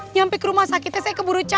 nyampe ke rumah sakitnya saya keburu ca